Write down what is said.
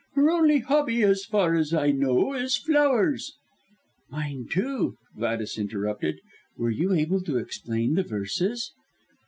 Her only hobby, as far as I know, is flowers." "Mine, too!" Gladys interrupted. "Were you able to explain the verses?"